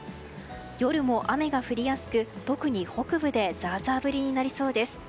夜も雨が降りやすく特に北部でザーザー降りになりそうです。